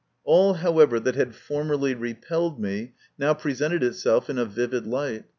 All, however, that had formerly repelled me now presented itself in a vivid light.